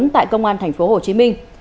tại công an thành phố hồ chí minh